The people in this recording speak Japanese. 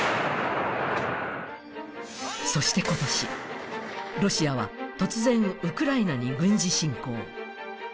そして今年、ロシアは突然、ウクライナに軍事侵攻。